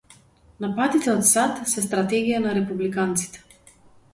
Нападите од САД се стратегија на републиканците